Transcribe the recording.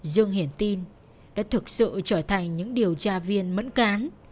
dương hiển tin đã thực sự trở thành những điều tra viên mẫn cán